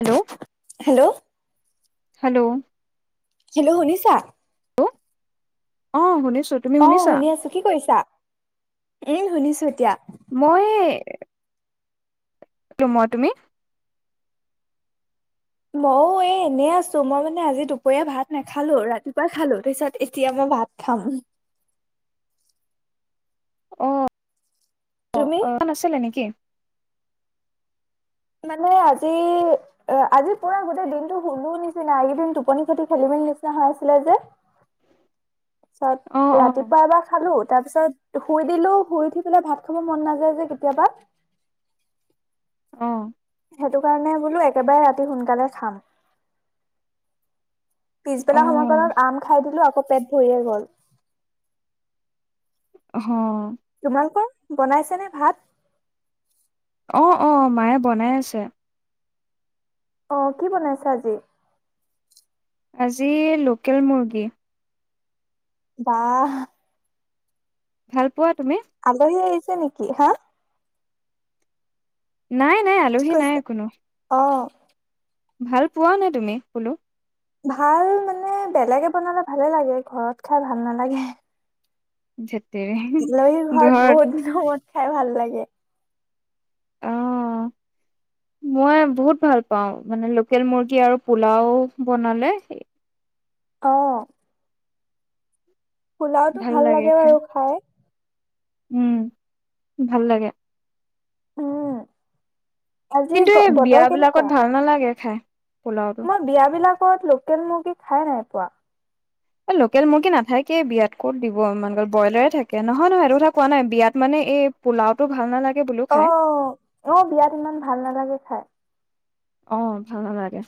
Hello hello? Hello? Hello শুনিছা। Hello অ, শুনিছো। তুমি অ শুনিছা শুনি আছো কি কৰিছা উম শুনিছো এতিয়া মই তমই তুমি মইও এই এনে আছো মই মানে আজি দুপৰীয়া ভাত নাখালো ৰাতিপুৱাই খালো তাৰিছত এতিয়া মই ভাত খাম অ অ তুমি অ ইমান আছিলে নেকি মানে আজি আজি পুৰা গোটেই দিনতটো শুনো নিচিনা এইকেইদিন টোপনি খতি খেলি মেলি নিচিনা হৈ আছিলে যে অ তাৰপিছত অ ৰাতিপুৱা এবাৰ খালো তাৰ পিছত শুই দিলো শুই উঠি পেলাই ভাত খাব মন নাযায় যে কেতিয়াবা অ সেইটো কাৰণে বোলো একেবাৰে ৰাতি সোনকালে চাম। অ পিছবেলা সময়কণত আম খাই দিলো আকৌ পেট ভৰিয়ে গ'ল হ তোমালোকৰ বনাইছে নে ভাত অ অ মায়ে বনাই আছে। আহ কি বনাইছা আজি আজি লোকেল মুৰ্গী বাহ ভাল পোৱা তুমি আলহী আহিছে নেকি হা নাই নাই কি আলহী নাই কৈছে? একোনো [unintelligible] ভাল পোৱা নে তুমি বোলো ভাল মানে বেলেগে বনালে ভালে লাগে ঘৰত খাই ভাল নালাগে থেত ইন্দলহ ঘৰত বহুত দিন মূঅ খাই ভাল লাগে অ মই বহুত ভাল পাওঁ মানে লোকেল মুৰ্গী আৰু পোলাও বনালে আহ পোলাওতো ভাল লাগে বাৰু খাই উম ভাল লাগে উম আজি কিন্তু গ এই বতৰ বিয়া বিলাকত কেনেকুৱা? ভাল নালাগে খাই পোলাওটো মই বিয়া বিলাক ৰত লোকেল মুৰ্গী খাই নাই পোৱা লোকেল মুৰ্গী নাথাকে বিয়াত ক'ত দিব ব্ৰলাৰে থাকে নহয় নহয় এইটো কথা কোৱা নাই বিয়াত মানে এই পোলাও টো ভাল নালাগে বোলো অ খাই অ বিয়াত ইমান ভাল নালাগে খাই আহ ভাল নালাগে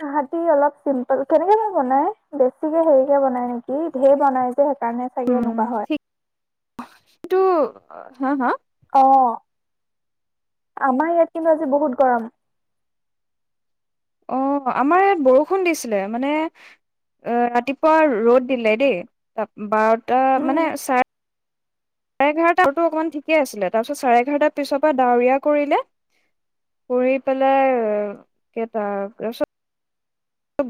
তাহতি অলপ চিম্পল কেনেকে ধৰে বনাই বেছিকে হেৰি কে বনাই নেকি ধৰে বনাই সেইকাৰণে চাগে উম এনেকুৱা হয় কিন্তু হা, হা। অ, আমাৰ ইয়াত কিন্তু আজি বহুত গৰম। অ আমাৰ ইয়াত বৰষুণ দিছিলে মানে, ৰাতিপুৱা ৰ'দ দিলে দেই তা বাৰত- ত উম। মানে ছাৰ চাৰে এঘাৰটা অকমান ঠিকে আছিলে তাৰপিছত চাৰে এঘাৰটাৰ পিছৰ পৰা ডাৱৰীয়া কৰিলে কৰি পেলাই কেইটা তাৰপিছত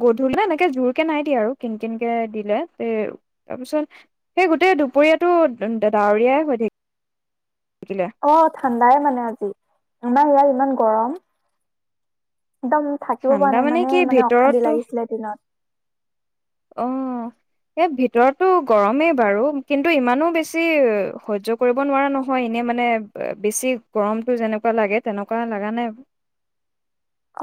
গধূলি নে এনেকে জোৰকে নাই দিয়া আৰু কিনকিনকে দিলে তাৰপিছত সেই গোটেই দুপৰীয়াটো ডাৱৰীয়াই হৈ থাকিল। অ ঠাণ্ডাই মানে আজি আমাৰ ইয়াৰ ইমান গৰম। একদম থাকিব পৰা ঠাণ্ডা নাই মানে, কি মানে অশান্তি ভিতৰতো লাগিছিলে দিনত। অ, এই ভিতৰতো গৰমেই বাৰু কিন্তু ইমানো বেছি সহ্য কৰিব নোৱাৰা নহয় এনেই মানে বেছি গৰমটো যেনেকুৱা লাগে তেনেকুৱা লাগা নাই।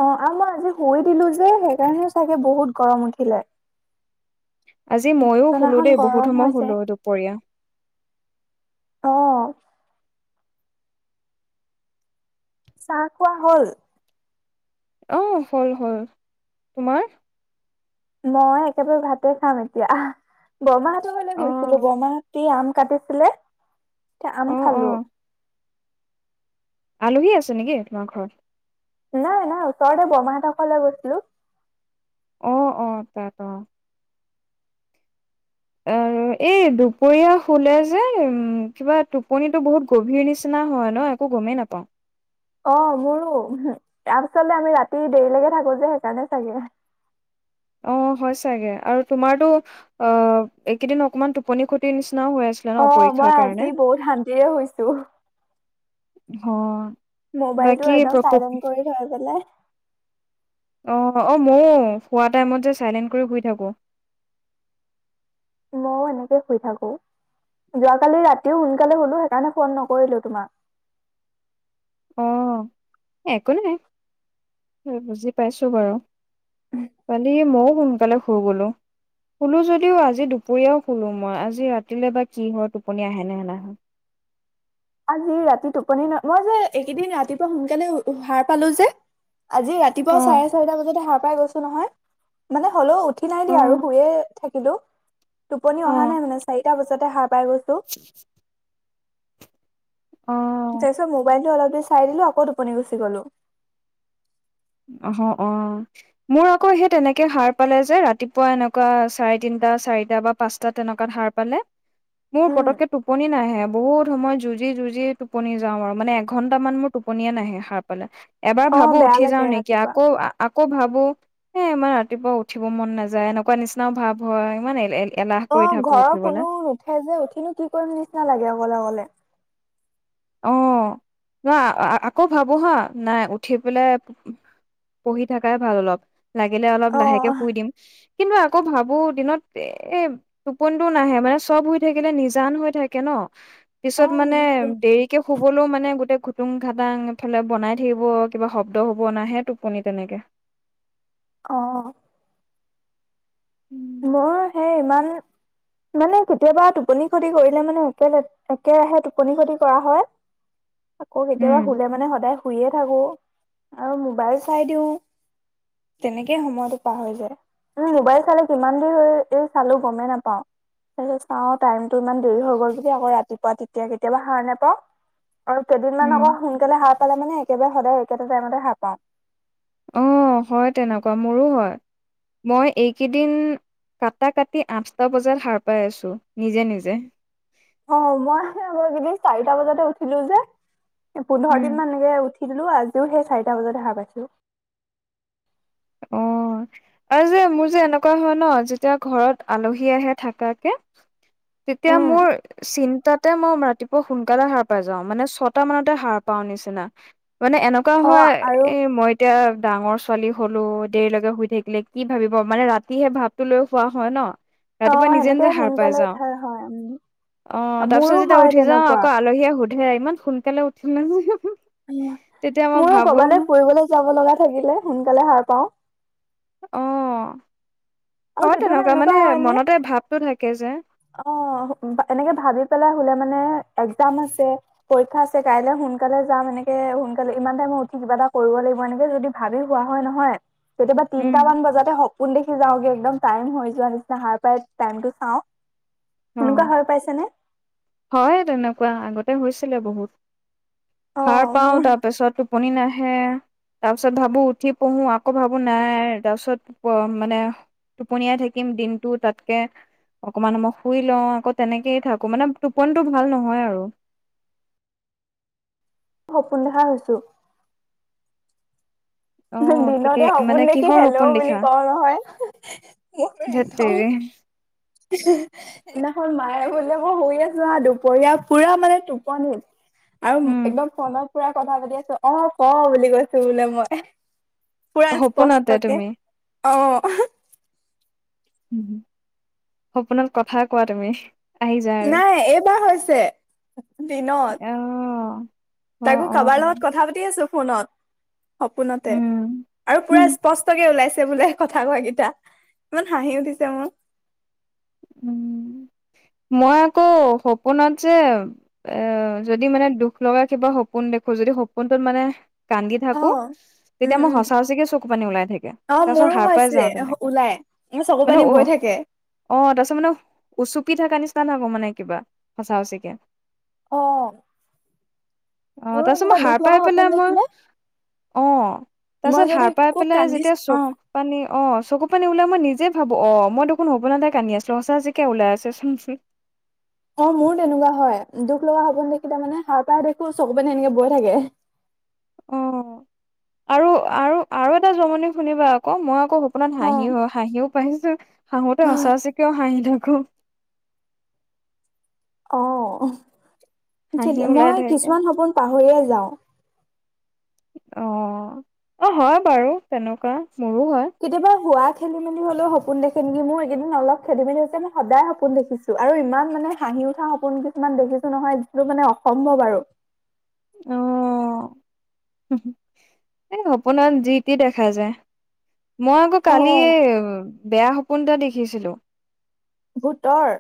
অ আৰু মই আজি কৈ দিলো যে সেইকাৰণেও চাগে বহুত গৰম উঠিলে। আজি মইও শুলো বিচনাখন দেই বহুত গৰম সময় হৈছে। শুলো দুপৰীয়া। অ', চাহ খোৱা হ'ল? অ হল হল। তোমাৰ? মই একেবাৰে ভাতে খাম এতিয়া। অহ বৰমা- অ গৈছিলো। বৰমাহতি আম। কাটিছিলে। এতিয়া অ আম অ খালো। আলহী আছে নেকি তোমাৰ ঘৰত? নাই, নাই। ওচৰতে বৰমাহতৰ ঘৰলৈ গৈছিলো। অ, অ, তাত অ। আৰু এই দুপৰীয়া শুলে যে কিবা টোপনিটো বহুত গভীৰ নিচিনা হয় ন একো গমেই নাপাওঁ। অ মোৰো, তাৰপিছলে আমি ৰাতি দেৰিলৈকে থাকো যে সেইকাৰণে চাগে। অ হয় চাগে আৰু তোমাৰতো অ এইকেইদিন অকমান টোপনি খতি নিচি। অ মই আজি বহুত শান্তিৰে শুইচো। অহ। ম'বাইলটো একদম চাইলেণ্ট কৰি থৈ পেলাই। অ মইয়ো শুৱা টাইমত যে চাইলেন্ট কৰি শুই থাকো। ময়ো এনেকে শুই থাকো। যোৱাকালি ৰাতিও সোনকালে হুলো সেইকাৰণে ফোন নকৰিলো তোমাক। অ একো নাই। বুজি পাইছো বাৰু। কালি মও। সোনকালে শুই গলো। শুলো যদিও আজি দুপৰীয়াও শুলো মই আজি ৰাতিলৈ বা কি হয় টোপনি আহে নে নাহে। আজি ৰাতি টোপনি ন, মই যে এইকেইদিন ৰাতিপুৱা সোনকালে সাৰ পালো যে। আজি ৰাতিপুৱা অ চাৰে চাৰিতা বজাতে সাৰ। পাই গৈছো নহয়। মানে হ'লেও উঠি নাই অ দিয়া আৰু শুয়ে থাকিলো। টোপনি অ অহা নাই মানে চাৰিটা বজাতে সাৰ পাই গৈছো। অ তাৰপিছত ম'বাইলটো অলপ দেৰি চাই দিলো আকৌ টোপনি গুচি গলো। আহ, অ, মোৰ আকৌ সেই তেনেকে সাৰ পালে যে, ৰাতিপুৱা এনেকুৱা চাৰে তিনটা চাৰিটা বা পাঁচটাত তেনেকুৱাত সাৰ পালে, মোৰ উম পতককে টোপনি নাহে। বহুত সময় যুঁজি যুঁজি টোপনি যাওঁ আৰু, মানে এঘন্টা মান মোৰ টোপনিয়ে নাহে সাৰ পালে। এবাৰ অ ভাবো বেয়া উঠি। লাগে নেক ৰাতিপুৱা আকৌ। আকৌ ভাবো এ ইমান ৰাতিপুৱা উঠিব মন নাযায় এনেকুৱা নিচিনাও ভাব হয় ইমান। এলাহ অ কৰি থাকো ঘৰৰ উঠিবলে কোনো নুঠে যে উঠিনো কি কৰিম নিচিনা লাগে অকলে অকলে। অ ন আকৌ ভাবো হা নাই উঠি পেলাই পঢ়ি থাকাই ভাল অলপ। লাগিলে অলপ অ লাহেকে শুই দিম। কিন্তু আকৌ ভাবো দিনত এ টোপনটো নাহে মানে চব হৈই থাকিলে নিজান হৈ থাকে ন। অ পিছত মানে বুজিছো দেৰি। শুবলৈও মানে। গোটেই খুটুং ঘাটাংফালে বনাই থাকিব কিবা শব্দ হ'ব নাহে টোপনি তেনেকে। অহ মোৰ উম সেই ইমান মানে কেতিয়াবা টোপনি ক্ষতি কৰিলে মানে একে একেৰাহে টোপনি ক্ষতি কৰা হয়। আকৌ কেতিয়াবা হুলে মানে সদায়। শুইয়ে থাকো আৰু মোবাইল চাই দিও তেনেকে সময়তো পাৰ হৈ যায় মোবাইল চালে কিমান দেৰি হৈ এই চালো গমেই নাপাও তাৰপিছত চাওঁ টাইমতটো ইমান দেৰি হৈ গল বুলি আকৌ ৰাতিপুৱা তেতিয়া কেতিয়াবা সাৰ নেপাওঁ আৰু কেইদিন মান উম আকৌ সোনকালে হাৰ পালে মানে একেবাৰে সদায় একেটা টাইমতে খাৰ পাওঁ অ হয় তেনেকুৱা মোৰো হয় মই এইকেইদিন কাটা কাটি আঠটা বজাত সাৰ পাই আছো নিজে নিজে অ মই একদিন চাৰিটা বজাতে উঠিলো যে পোন্ধৰ উম দিন মানে এনেকে উঠি উঠি দিলো আজিও সেই চাৰিটা বজাত সাৰ পাইছো অ আৰু যে মোৰ যে এনেকুৱা হয় ন যেতিয়া ঘৰত আলহী আহে থাকাকে তেতিয়া উম মোৰ চিন্তাত তাতে মই ৰাতিপুৱা সোনকালে সাৰ পাই যাওঁ মানে ছটা মানতে সাৰ পাওঁ নিচিনা মানে এনেকুৱা অ হোৱা আৰু এ মই এতিয়া ডাঙৰ ছোৱালী হলো দেৰিলৈকে শুই থাকিলে কি ভাবিব মানে ৰাতিহে ভাৱটো লৈ খোৱা হয় ন অ ৰাতিপুৱা নিজে সেনেকে নিজে সাৰ পাই সোনকালে যাওঁ উঠা হয় উম অ মোৰো তাৰপিছত যেতিয়া হয় উঠি যাওঁ তেনেকুৱা আকৌ আলহীয়ে সুধ ইমান সোনকালে উঠিল নে মোৰো কৰবালৈ ফুৰিবলৈ যাব লগা থাকিলে সোনকালে সাৰ পাওঁ আহ আৰু হয় কেতিয়াবা তেনেকুৱা এনেকুৱা মানে হয় নে মনতে ভাৱতটো থাকে যে অ এনেকে ভাবি পেলাই হলে মানে একজাম আছে পৰীক্ষা আছে কাইলে সোনকালে যাম এনেকে সোনকালে ইমান টাইমত উঠি কিবা এটা কৰিব লাগিব এনেকে যদি ভাবি হোৱা হয় নহয় কেতিয়াবা উম তিনটা মান বজাতে হওক সপোন দেখি যাওগে একদম টাইম হৈ যোৱা নিচিনা খাৰ পাই টাইমটো চাওঁ অ এনেকুৱা হৈ পাইছেনে হয় তেনেকুৱা আগতে হৈছিলে বহুত সাৰ অ', পাও মোৰ তাৰ পাছত টোপনি নাহে হে তাৰ পিছত ভাবো উঠি পঢ়ো আকৌ ভাবো নাই তাৰ পিছত মানে টোপনিয়াই থাকিম দিনতো তাতকে অকমান সময় শুই লওঁ আকৌ তেনেকেই থাকো মানে টোপনটো ভাল নহয় আৰু সপোন দেখা হৈছো অ দিনতে কি সপোন মানে দেখি কিহৰ হেল্ল' সপোন বুলি দেখা কওঁ নহয় মোক ধেত একদম তেৰি সিদিনাখন মায়ে বোলে মই আছো হা দুপৰীয়া পুৰা মানে টোপনিত আৰু উম একদম ফোনত পুৰা কথা পাতি আছো অ ক বুলি কৈছো বোলে মই পুৰা সপোনতে স্পষ্টকে তুমি অ সপোনত কথা কোৱা তুমি আহি যায় আৰু নাই এইবাৰ হৈছে দিনত অ অ তাকো অ কাবাৰ লগত কথা পাতি আছো পোনত সপোনতে উম আৰু পুৰা স্পষ্টকে ওলাইছে তে বোলে কথা কোৱা কেইটা ইমান হাঁহি উঠিছে মোৰ উম মই আকৌ সপোনত যে এ যদি মানে দুখ লগা কিবা সপোন দেখো যদি সপোনটোত মানে কান্দি অ থাকো তেতিয়া উম মই উম সঁচা সচিকে চকু পানী ওলাই থাকে অ তাৰ পাছত মোৰো সাৰ পাই হৈছে যাওঁ তেনেকে ওলাই মোৰ চকু মানে পানী উ বৈ থাকে তাৰপিছত মানে উচুকি থকা নিচিনা থাকো মানে কিবা সঁচা সঁচিকে অ অ মোৰো তাৰ পিছত এনেকুৱা মই সাৰ দুখ পাই লগা সপোন পেলাই মই দেখি অ মই তাৰপিছত যদি সাৰ পাই খুব পেলাই কান্দিছ যেতিয়া অ চকু পানী অ চকু পানী ওলাই মই নিজে ভাবো অ মই দেখোন সপোনতে কান্দি আছো সঁচা সচিকে ওলাই আছে চোন চোন। অ মোৰো তেনেকুৱা হয় দুখ লগা সপোন দেখিলে মানে সাৰ পাই দেখো চকু পানী এনেকে বৈ থাকে অ আৰু আৰু আৰু এটা জমনি শুনিবা আকৌ মই কৌ সপোনাত অ হাঁহি হাঁহিও পাইছো হাঁহোতে সঁচা সচিকেও হাঁহি থাকো খো অ হাঁহি ওলাই মই থাকে কিছুমান সপোন পাহৰিয়ে আছো যাও অ অ হয় বাৰু তেনেকুৱা মোৰো হয় কেতিয়াবা হোৱা খেলি মেলি হলেও সপোন দেখে নেকি মোৰ এইকেদিন অলপ খেলি মেলি হৈছে মই সদায় সপোন দেখিছো আৰু ইমান মানে হাঁহি উঠা সপোন কিছুমান দেখিছো নহয় যিটো মানে অসম্ভৱ আৰু অ হু হু এই সপোন যি টি দেখা যায়। মই আকৌ কালিয়ে বেয়া সপো- পোনতা দেখিছিলোঁ ভোতৰ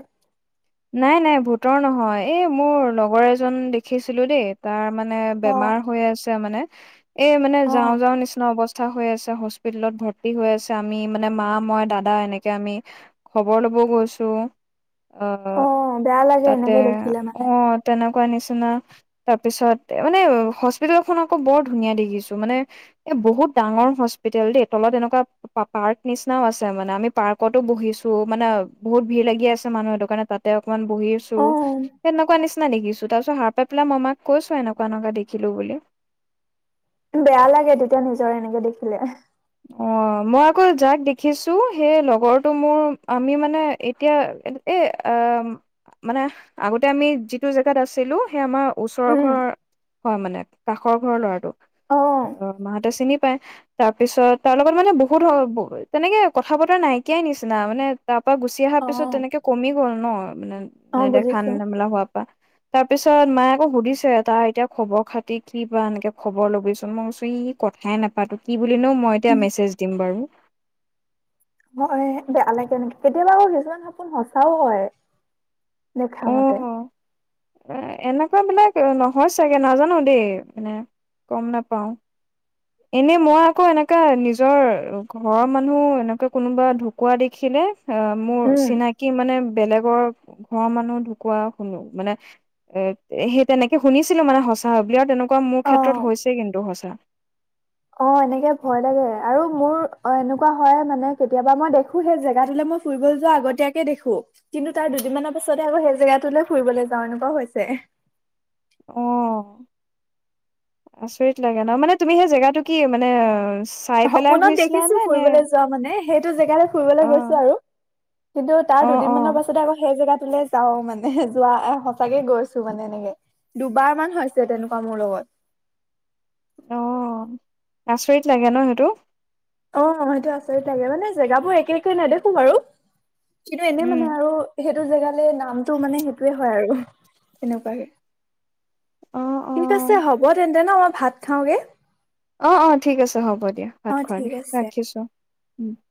নাই নাই ভোতৰ নহয় এই মোৰ লগৰ এজন দেখিছিলো দেই তাৰ- মানে অ বেমাৰ হৈ আছে মানে এ মানে যাওঁ যাওঁ নিচিনা অৱস্থা থা হৈ আছে হস্পিতেলত ভৰ্তি হৈ আছে আমি মানে মা মই দাদা এনেকে আমি খবৰ লব গৈছো অ বেয়া লাগে তাতে এনেকে দেখিলে অ মানে তেনেকুৱা কোৱা নিচিনা তাৰ পিছত এ মানে হস্পিতেল খন আকৌ বৰ ধুনীয়া দেখিছো মানে এ বহুত ডাঙৰ হস্পিতেল দেই তলত এনেকুৱা পাৰ্ক নিচিনাও আছে মানে আমি পাৰ্কতো বহিছো মানে বহুত ভিৰ লাগি আছে মানুহ কাৰণে তাতে অকমান বহিছো অ সেনেকুৱা নিচ- দেখিছো তাৰপিছত সাৰ পাই পেলাই মই মাক কৈছো এনেকুৱা এনেকুৱা দেখিলো বুলি বেয়া লাগে তেতিয়া নিজৰ এনেকে দেখিলে অ মই আকৌ যাক দেখিছো সেই লগৰটো মোৰ আমি মানে এতিয়া এ আ মানে আগতে আমি যিটো জেগাত আছিলো সেই আমাৰ ওচৰ উম এঘৰৰ হয় মানে কাষৰ ঘৰৰ ল'ৰাটো। অ' [unintelligible] [unintelligible] তাৰ পিছত তাৰ লগত মানে বহুত [unintelligible] তেনেকে কথা বতৰা নাইকিয়াই নিচিনা মানে তাৰ পা গুচি আহা পিছত অ', তেনেকে কমি গ'ল ন। মানে অ', নেদেখা বুজিছো। নেমেলা হোৱা পা তাৰ পিছত মায়ে আকৌ সুধিছে তাৰ এতিয়া খবৰ খাতি কি বা এনেকে খবৰ ল'বিচোন, মইছো ই কথাই নাপাতো কি বুলিনো মই এতিয়া উম, মেছেজ দিম বাৰু। হয় বেয়া লাগে এনেকে কেতিয়াবা আকৌ কিছুমান সপোন সঁচাও হয়। দেখা মতে। অ' এনে [unintelligible] বিলাক নহয় চাগে নাজানো দেই মানে গম নাপাও। এনে মই আকৌ এনেকা নিজৰ ঘৰৰ মানুহ এনেকা কোনোবা ঢুকৱা দেখিলে অ' মোৰ উম। চিনাকি মানে বেলেগৰ ঘৰৰ মানুহ ঢুকোৱা শুনো মানে এ - সেই তেনেকে শুনিছিলো মানে সঁচা বুলি আৰু তেনে কুৱা মোৰ ক্ষেত্ৰত অ'। হৈছে কিন্তু সঁচ [unintelligible] অ' এনেকে ভয় লাগে আৰু মোৰ এনেকুৱা হয় মানে কেতিয়াবা মই দেখো সেই জেগাটোলে মই ফুৰিবলৈ যোৱা আগতীয়াকে দেখো, কিন্তু তাৰ দুদিনমানৰ পাছতে আকৌ সেই জেগাটোলে ফুৰিবলে যাও এনেকুৱা হৈছে। অ' আচৰিত লাগে ন মানে তুমি সেই জেগাটো কি মানে চাই পেলাই সপোনত শুইছিলা দেখিছো নে নে ফুৰিবলে যোৱা মানে সেইটো জেগালে ফুৰিবলে অ গৈছো আৰু কিন্তু তাৰ অ অ দুদিনমানৰ পাছতে আকৌ সেই জেগাত টোলে যাওঁ মানে যোৱা সঁচাকে গৈছো মানে এনেকে, দুবাৰ মান হৈছে তেনেকুৱা মোৰ লগত। অ' আচৰিত লাগে ন সেইটো? অ' সেইটো আচৰিত লাগে, মানে জেগাবোৰ একে একে নেদেখো বাৰু। কিন্তু এনে উম মানে আৰু সেই টো জেগালে নামটো মানে সেইটোৱে হয় আৰু তেনেকুৱাকে। অ অ ঠিক আছে হ'ব তেন্ [unintelligible] মই ভাত খাওঁগে। অ' অ' ঠিক আছে হ'ব। দিয়া ভাত অ ঠিক খোৱগে, আছে ৰাখিছো। [unintelligible]